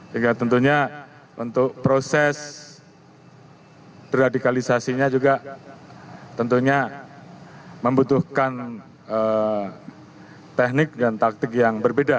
jadi tentunya untuk proses deradikalisasinya juga tentunya membutuhkan teknik dan taktik yang berbeda